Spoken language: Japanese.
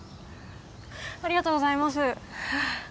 ありがとうございます。